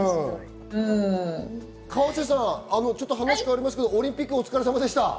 河瀬さん、話変わりますけどオリンピックお疲れさまでした。